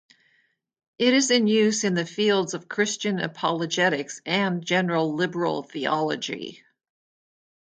It is in use in the fields of Christian apologetics and general liberal theology.